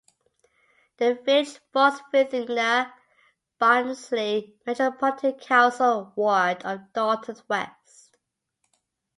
The village falls within the Barnsley Metropolitan Council Ward of Darton West.